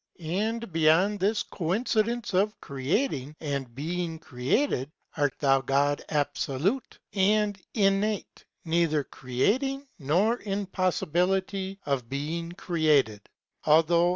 And beyond this Coin cidence of creating and being created , a t ihmi vo'd abfolute and inn Ue neither creating nor in poiiibiitty of being created, althou^ .